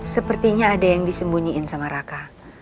sepertinya ada yang disembunyiin sama raka